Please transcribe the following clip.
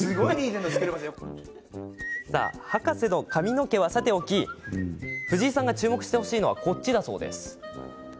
博士の髪の毛はさておき藤井さんが注目してほしいのが、この写真。